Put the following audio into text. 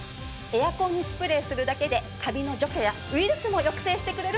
エアコンにスプレーするだけでカビの除去やウイルスも抑制してくれるの。